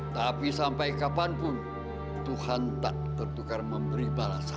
tapi sampai kapanpun tuhan tak tertukar memberi balasan